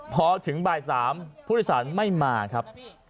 พอถึงบ่าย๓พุทธศาลไม่มาครับ